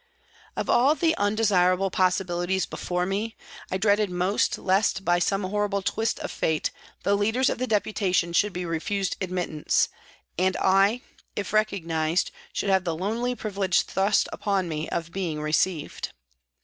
Of all the undesirable possibilities before me, I dreaded most lest by some horrible twist of fate the DEPUTATION TO PRIME MINISTER 39 leaders of the Deputation should be refused admit tance, and I, if recognised, should have the lonely privilege thrust upon me of being received.